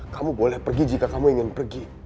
kamu boleh pergi jika kamu ingin pergi